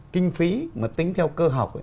kinh phí mà tính theo cơ học